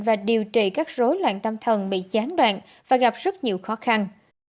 và điều trị các rối loạn tâm thần bị gián đoạn và gặp rất nhiều khó khăn